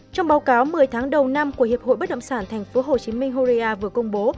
trong báo cáo một mươi tháng đầu năm của hiệp hội bất động sản tp hcm horia vừa công bố